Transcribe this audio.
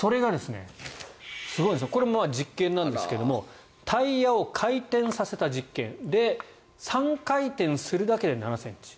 これも実験ですがタイヤを回転させた実験で３回転するだけで７ｃｍ。